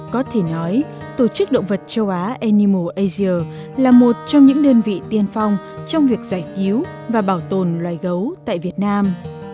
có thể nói tổ chức động vật châu á animal asia là một trong những đơn vị tiên phong trong việc giải cứu và bảo tồn loài gấu tại việt nam